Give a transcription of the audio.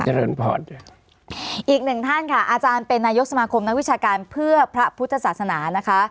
อีกหนึ่งท่านค่ะอาจารย์เป็นนายกสมาคมนักวิชาการเพื่อพระพุทธศาสนานะคะ